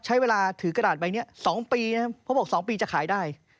สองปีนะครับเขาบอกสองปีจะขายได้